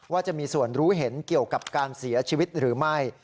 จะมีส่วนรู้เห็นเกี่ยวกับการเสียชีวิตหรือไม่